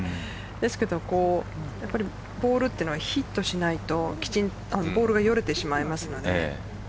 ですけどボールというのはヒットしないとボールがよれてしまいますので。